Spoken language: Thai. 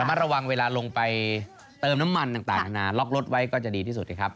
มาระวังเวลาลงไปเติมน้ำมันต่างนานาล็อกรถไว้ก็จะดีที่สุดนะครับ